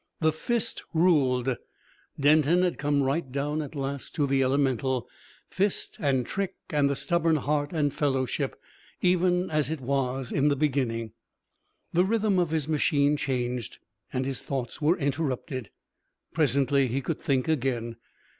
The fist ruled. Denton had come right down at last to the elemental fist and trick and the stubborn heart and fellowship even as it was in the beginning. The rhythm of his machine changed, and his thoughts were interrupted. Presently he could think again.